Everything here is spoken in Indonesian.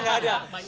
gak ada gak ada